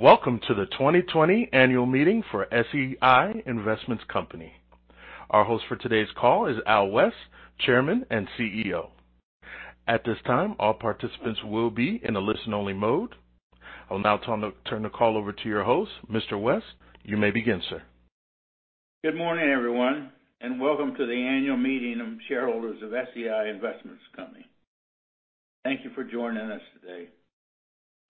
Welcome to the 2020 annual meeting for SEI Investments Company. Our host for today's call is Al West, Chairman and CEO. At this time, all participants will be in a listen-only mode. I will now turn the call over to your host. Mr. West, you may begin, sir. Good morning, everyone, and welcome to the annual meeting of shareholders of SEI Investments Company. Thank you for joining us today.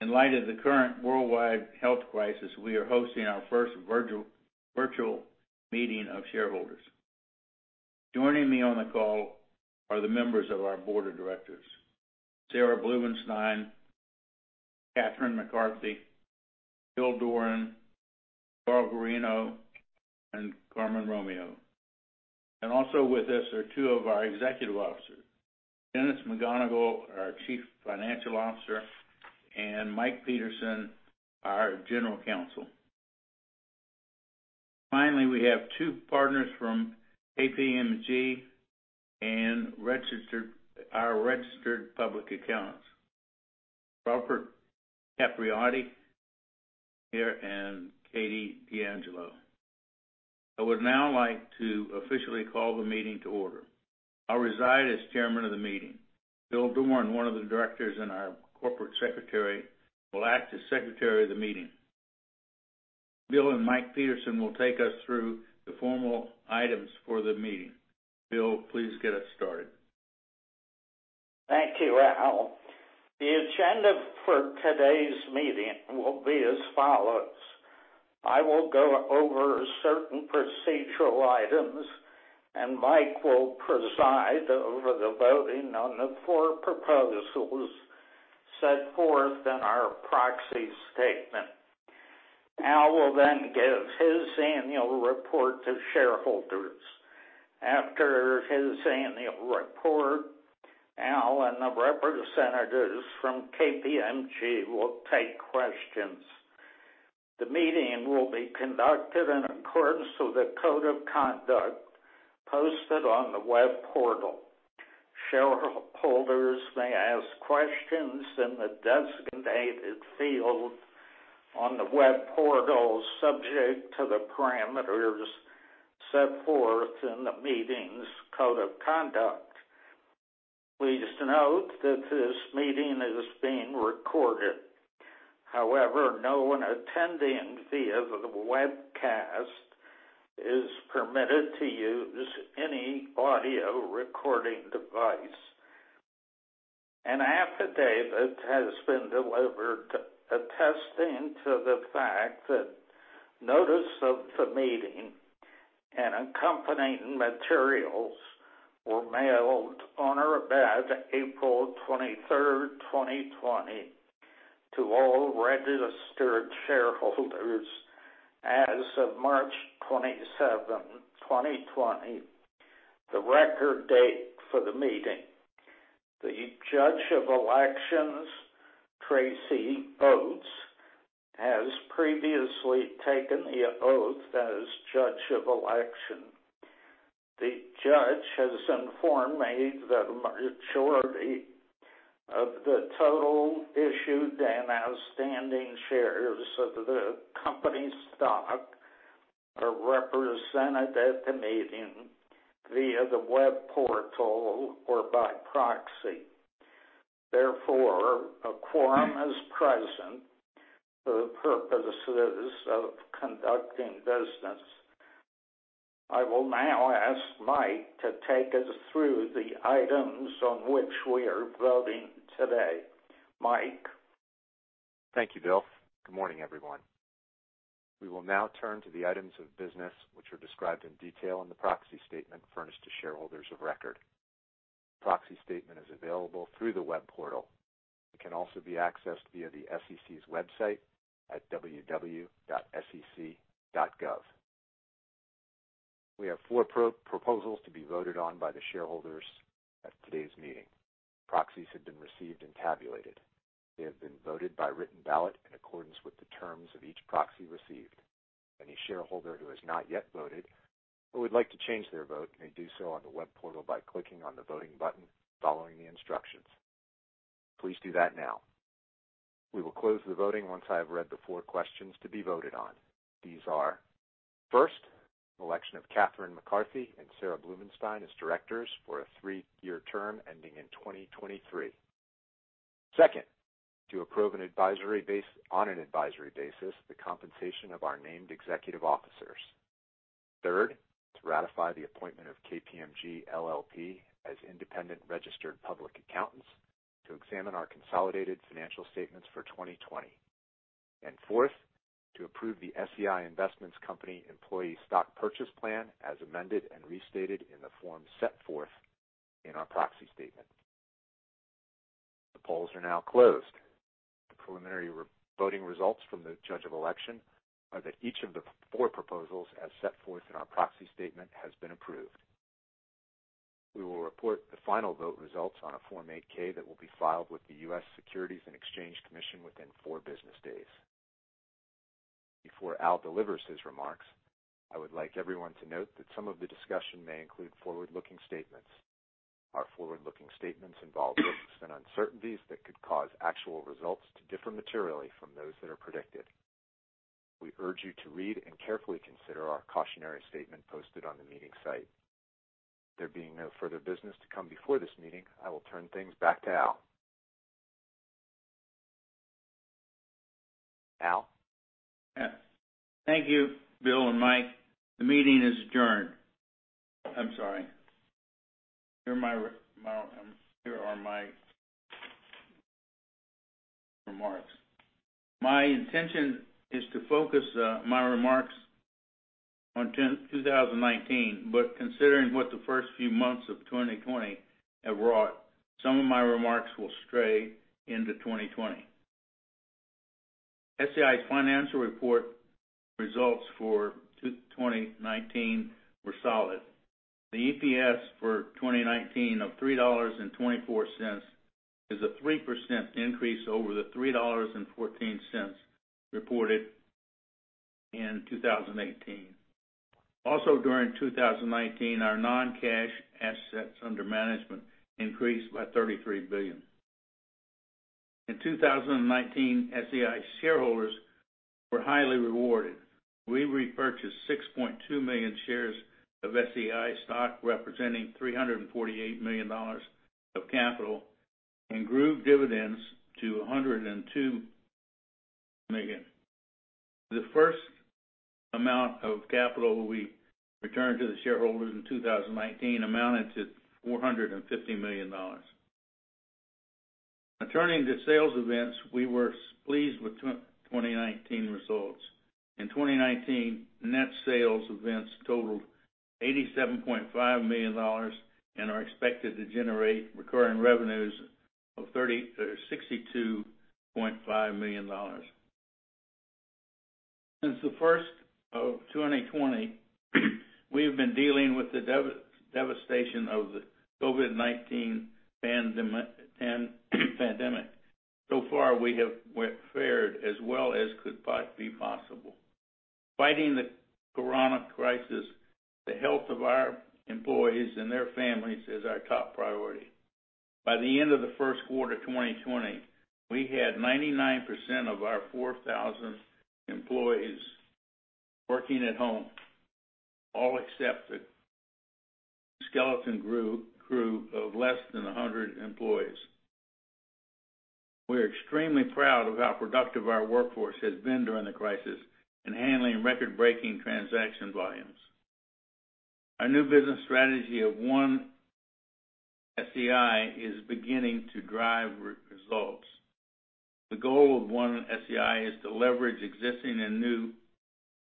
In light of the current worldwide health crisis, we are hosting our first virtual meeting of shareholders. Joining me on the call are the members of our board of directors, Sarah Blumenstein, Kathryn McCarthy, Bill Doran, Carl Guarino, and Carmen Romeo. Also with us are two of our executive officers, Dennis McGonigle, our Chief Financial Officer, and Mike Peterson, our General Counsel. Finally, we have two partners from KPMG and our registered public accountants, Robert Capriotti here, and Katie D'Angelo. I would now like to officially call the meeting to order. I'll preside as Chairman of the meeting. Bill Doran, one of the directors and our Corporate Secretary, will act as Secretary of the meeting. Bill and Mike Peterson will take us through the formal items for the meeting. Bill, please get us started. Thank you, Al. The agenda for today's meeting will be as follows. I will go over certain procedural items, and Mike will preside over the voting on the four proposals set forth in our proxy statement. Al will give his annual report to shareholders. After his annual report, Al and the representatives from KPMG will take questions. The meeting will be conducted in accordance to the code of conduct posted on the web portal. Shareholders may ask questions in the designated field on the web portal, subject to the parameters set forth in the meeting's code of conduct. Please note that this meeting is being recorded. However, no one attending via the webcast is permitted to use any audio recording device. An affidavit has been delivered attesting to the fact that notice of the meeting and accompanying materials were mailed on or about April 23rd, 2020, to all registered shareholders as of March 27, 2020, the record date for the meeting. The Judge of Elections, Tracy Oates, has previously taken the oath as judge of election. The judge has informed me that a majority of the total issued and outstanding shares of the company's stock are represented at the meeting via the web portal or by proxy. A quorum is present for the purposes of conducting business. I will now ask Mike to take us through the items on which we are voting today. Mike? Thank you, Bill. Good morning, everyone. We will now turn to the items of business, which are described in detail in the proxy statement furnished to shareholders of record. Proxy statement is available through the web portal. It can also be accessed via the SEC's website at www.sec.gov. We have four proposals to be voted on by the shareholders at today's meeting. Proxies have been received and tabulated. They have been voted by written ballot in accordance with the terms of each proxy received. Any shareholder who has not yet voted or would like to change their vote may do so on the web portal by clicking on the voting button, following the instructions. Please do that now. We will close the voting once I have read the four questions to be voted on. These are, first, election of Kathryn McCarthy and Sarah Blumenstein as directors for a three-year term ending in 2023. Second, to approve on an advisory basis, the compensation of our named executive officers. Third, to ratify the appointment of KPMG LLP as independent registered public accountants to examine our consolidated financial statements for 2020. Fourth, to approve the SEI Investments Company employee stock purchase plan as amended and restated in the form set forth in our proxy statement. The polls are now closed. The preliminary voting results from the judge of election are that each of the four proposals as set forth in our proxy statement has been approved. We will report the final vote results on a Form 8-K that will be filed with the U.S. Securities and Exchange Commission within four business days. Before Al delivers his remarks, I would like everyone to note that some of the discussion may include forward-looking statements. Our forward-looking statements involve risks and uncertainties that could cause actual results to differ materially from those that are predicted. We urge you to read and carefully consider our cautionary statement posted on the meeting site. There being no further business to come before this meeting, I will turn things back to Al. Al? Yeah. Thank you, Bill and Mike. The meeting is adjourned. I'm sorry. Here are my remarks. My intention is to focus my remarks on 2019, but considering what the first few months of 2020 have wrought, some of my remarks will stray into 2020. SEI's financial report results for 2019 were solid. The EPS for 2019 of $3.24 is a 3% increase over the $3.14 reported in 2018. Also, during 2019, our non-cash assets under management increased by $33 billion. In 2019, SEI shareholders were highly rewarded. We repurchased 6.2 million shares of SEI stock, representing $348 million of capital, and grew dividends to $102 million. The first amount of capital we returned to the shareholders in 2019 amounted to $450 million. Now turning to sales events, we were pleased with 2019 results. In 2019, net sales events totaled $87.5 million and are expected to generate recurring revenues of $62.5 million. Since the first quarter of 2020, we have been dealing with the devastation of the COVID-19 pandemic. So far, we have fared as well as could be possible. Fighting the corona crisis, the health of our employees and their families is our top priority. By the end of the first quarter 2020, we had 99% of our 4,000 employees working at home, all except a skeleton crew of less than 100 employees. We're extremely proud of how productive our workforce has been during the crisis in handling record-breaking transaction volumes. Our new business strategy of One SEI is beginning to drive results. The goal of One SEI is to leverage existing and new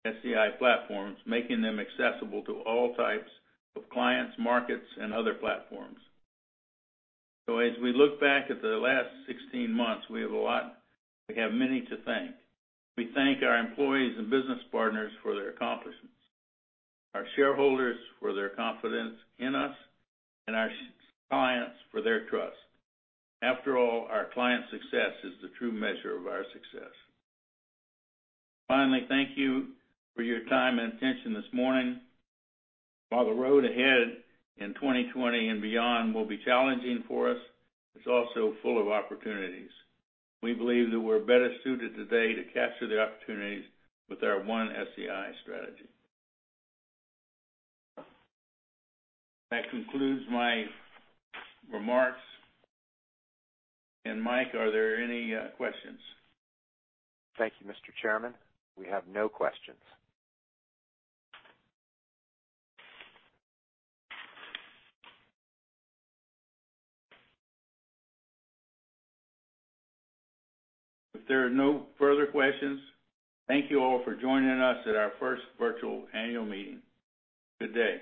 SEI platforms, making them accessible to all types of clients, markets, and other platforms. As we look back at the last 16 months, we have many to thank. We thank our employees and business partners for their accomplishments, our shareholders for their confidence in us, and our clients for their trust. After all, our clients' success is the true measure of our success. Finally, thank you for your time and attention this morning. While the road ahead in 2020 and beyond will be challenging for us, it's also full of opportunities. We believe that we're better suited today to capture the opportunities with our One SEI strategy. That concludes my remarks. Mike, are there any questions? Thank you, Mr. Chairman. We have no questions. If there are no further questions, thank you all for joining us at our first virtual annual meeting. Good day.